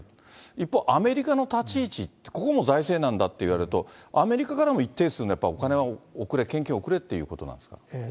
一方、アメリカの立ち位置、ここも財政難だといわれると、アメリカからも一定数のお金は送れ、献金を送れということなんですか。